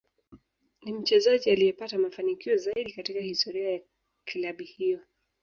Ni mchezaji aliyepata mafanikio zaidi katika historia ya kilabu hiyo